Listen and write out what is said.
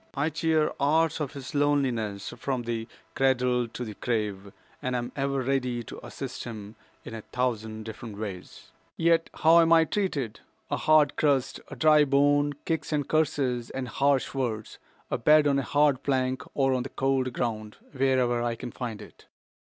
I cheer hours of his loneliness from the cradle to the grave, and am ever ready to assist him in a thousand different ways. Yet how am I treated? A hard crust, a dry bone, kicks and curses and harsh words, a bed on a hard plank or on the cold ground, wherever I can find it.